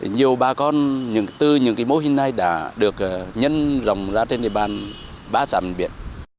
nhiều bà con những tư những mô hình này đã được nhân dòng ra trên địa bàn bãi sà biển